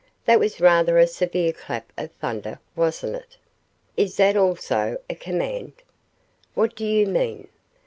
That was rather a severe clap of thunder, wasn't it?" "Is that also a command?" "What do you mean?"